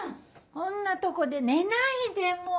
こんなとこで寝ないでもう！